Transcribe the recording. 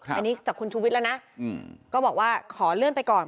อันนี้จากคุณชูวิทย์แล้วนะก็บอกว่าขอเลื่อนไปก่อน